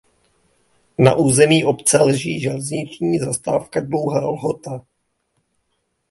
Na území obce leží železniční zastávka "Dlouhá Lhota".